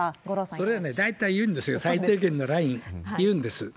それはね、大体言うんです、最低限のライン、言うんです。